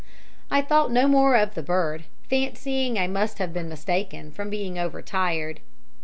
"I thought no more of the bird, fancying I must have been mistaken from being overtired.